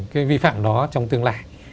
cái vi phạm đó trong tương lai